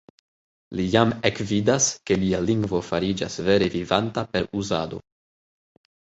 Li jam ekvidas, ke lia lingvo fariĝas vere vivanta per uzado.